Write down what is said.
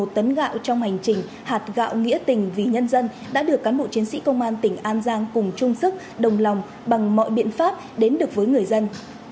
một tấn gạo trong hành trình hạt gạo nghĩa tình vì nhân dân đã được cán bộ chiến sĩ công an tỉnh an giang cùng chung sức đồng lòng bằng mọi biện pháp đến được với người dân